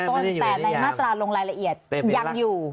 ต้นแต่ในมาตราลงรายละเอียดยังอยู่